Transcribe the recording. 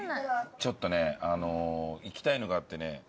ちょっとねいきたいのがあってね。